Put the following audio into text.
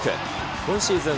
今シーズン